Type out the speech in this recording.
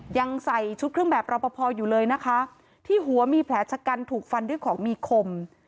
ยังใส่ชุดเครื่องแบบรอปภอยู่เลยนะคะที่หัวมีแผลชะกันถูกฟันด้วยของมีคม